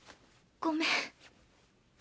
ごめん。